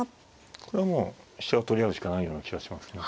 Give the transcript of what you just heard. これはもう飛車を取り合うしかないような気がしますね。